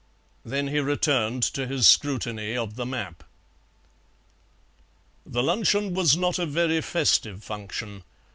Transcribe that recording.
Then he returned to his scrutiny of the map. The luncheon was not a very festive function.